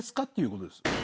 っていうことです。